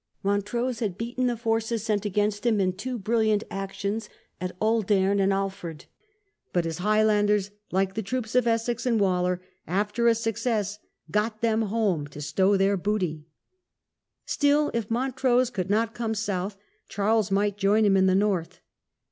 Montrose had beaten the forces sent against him in two brilliant actions at Auldearn and Alford. But his Highlanders, like the troops of Essex and Waller, after a success " got them home" to stow away their booty. Still, if Montrose could not come south, Charles might join him in the North.